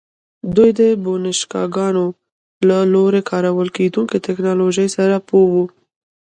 دوی د بوشنګانو له لوري کارول کېدونکې ټکنالوژۍ سره پوه وو